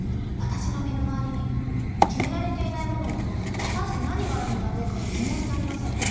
私の身の回りに決められていないものは果たして何があるのだろうかと疑問でなりません。